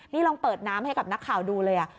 นี่ลองเปิดน้ำให้กับนักข่าวดูเลย